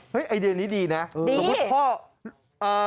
เฮ้ยไอเดียนี้ดีนะสมมุติพ่อดี